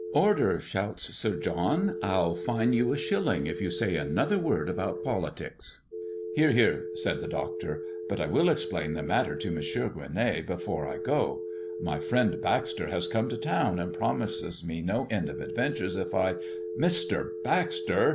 "Order!" shouts Sir John, "I'll fine you a shilling if you say another word about politics." "Hear! hear!" said the Doctor. "But I will explain the matter to Mons. Gueronnay before I go. My friend Baxter has come to town and promises me no end of adventures, if I " "Mr. Baxter!"